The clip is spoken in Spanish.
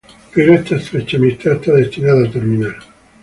Pero esta estrecha amistad está destinada a terminar.